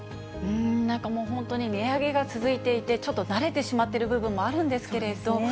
なんかもう、本当に値上げが続いていて、ちょっと慣れてしまっている部分もあるんですけれども。